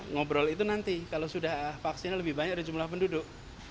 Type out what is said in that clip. ngobrol itu nanti kalau sudah vaksinnya lebih banyak dari jumlah penduduk